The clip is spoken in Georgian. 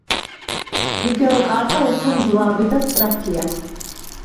ვიდეო კარტა უფრო მძლავრი და სწრაფია.